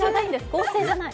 合成じゃない。